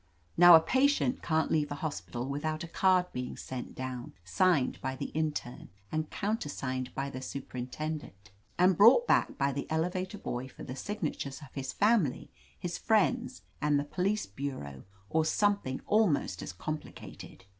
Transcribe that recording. Now, a patient can't leave a hospital with out a card being sent down, signed by the in terne and countersigned by the superintendent, and brought back by the elevator boy for the signatures of his family, his friends and the police bureau, or something almost as compli cated.